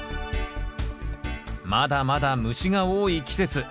まだまだ虫が多い季節。